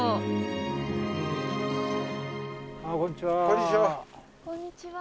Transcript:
こんにちは。